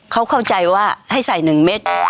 เขาเข้าใจว่าให้ใส่๑เม็ด